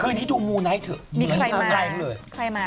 คืนนี้ดูมูลไหนเถอะเหมือนทางไหนเลย